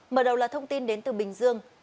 mở đầu là thông tin đến từ bình dương